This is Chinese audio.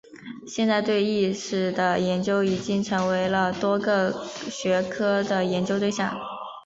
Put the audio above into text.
现代对意识的研究已经成为了多个学科的研究对象。